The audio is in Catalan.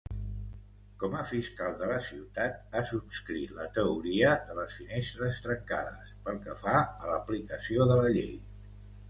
Com a fiscal de la ciutat, ha subscrit la teoria de les "finestres trencades" pel que fa a l'aplicació de la llei.